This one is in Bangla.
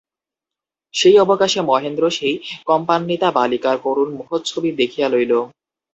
সেই অবকাশে মহেন্দ্র সেই কম্পান্বিতা বালিকার করুণ মুখচ্ছবি দেখিয়া লইল।